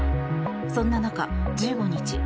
そんな中、１５日